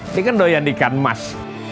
ini kan doyan dikarmas